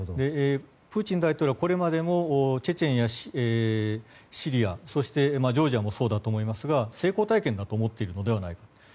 プーチン大統領はこれまでもチェチェンやシリア、そしてジョージアもそうだと思いますが成功体験だと思っているのではないかと。